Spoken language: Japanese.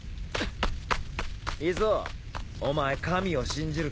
イゾウお前神を信じるか？